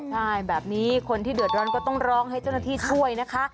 ใช่แบบนี้คนที่เดือดร้อนก็ต้องร้องให้เจ้าหน้าที่ช่วยนะคะ